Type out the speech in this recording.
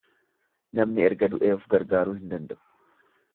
Namni erga du'ee of gargaaruu hin danda'u.